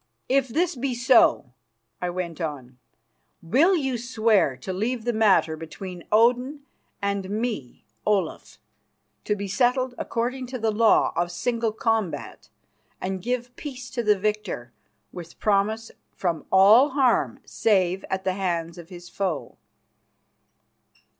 "If this be so," I went on, "will you swear to leave the matter between Odin and me, Olaf, to be settled according to the law of single combat, and give peace to the victor, with promise from all harm save at the hands of his foe?"